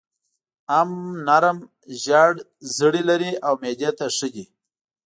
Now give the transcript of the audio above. ام نرم زېړ زړي لري او معدې ته ښه ده.